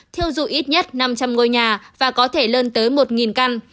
theo dụ ít nhất năm trăm linh ngôi nhà và có thể lên tới một căn